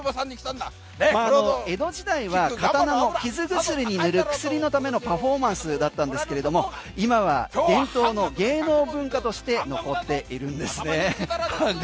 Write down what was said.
江戸時代は刀の傷口に塗る薬のためのパフォーマンスだったんですが今は伝統の芸能文化として残っているんですね。